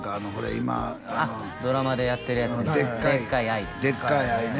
今ドラマでやってるやつですか「でっかい愛」です